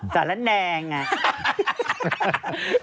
สาระแนงไง